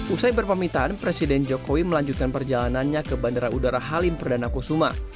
usai berpamitan presiden jokowi melanjutkan perjalanannya ke bandara udara halim perdana kusuma